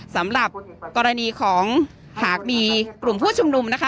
สำหรับกรณีของหากมีกลุ่มผู้ชุมนุมนะคะ